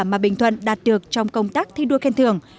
mà bình thuận đạt được trong công tác thi đua khen thưởng